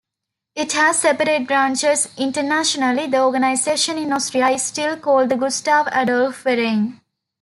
It has separate branches internationally, the organization in Austria is still called the Gustav-Adolf-Verein.